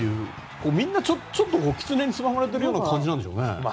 みんな、ちょっと狐につままれているような感じなんでしょうね。